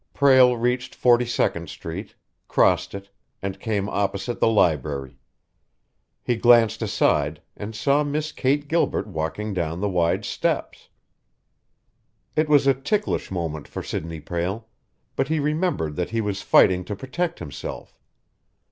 Prale reached Forty second Street, crossed it, and came opposite the library. He glanced aside and saw Miss Kate Gilbert walking down the wide steps. It was a ticklish moment for Sidney Prale, but he remembered that he was fighting to protect himself.